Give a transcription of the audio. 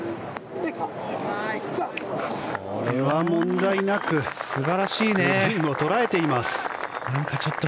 これは問題なくグリーンを捉えています。